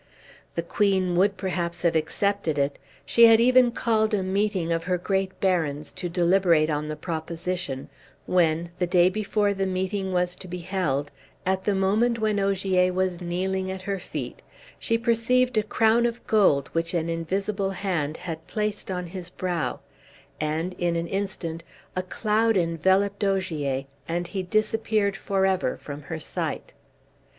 The queen would perhaps have accepted it, she had even called a meeting of her great barons to deliberate on the proposition, when, the day before the meeting was to be held, at the moment when Ogier was kneeling at her feet, she perceived a crown of gold which an invisible hand had placed on his brow, and in an instant a cloud enveloped Ogier, and he disappeared forever from her sight.